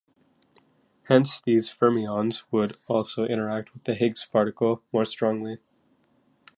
Hence, these fermions would also interact with the Higgs particle more strongly.